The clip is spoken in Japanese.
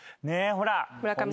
ほら。